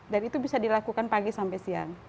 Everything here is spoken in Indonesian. dan itu bisa dilakukan pagi sampai siang